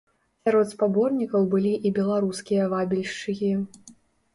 Сярод спаборнікаў былі і беларускія вабільшчыкі.